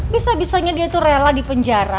bisa bisanya dia itu rela di penjara